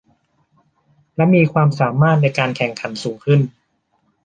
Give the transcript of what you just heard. และมีความสามารถในการแข่งขันสูงขึ้น